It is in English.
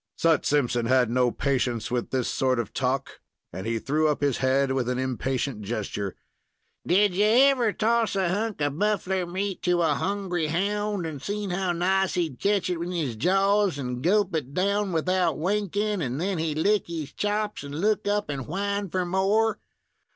Sut Simpson had no patience with this sort of talk, and he threw up his head with an impatient gesture. "Did you ever toss a hunk of buffler meat to a hungry hound, and seen how nice he'd catch it in his jaws, and gulp it down without winkin', and then he'd lick his chops, and look up and whine for more.